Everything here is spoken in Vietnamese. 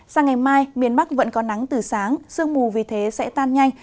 sang ngày mai miền bắc vẫn có nắng từ sáng sương mù vì thế sẽ tan nhanh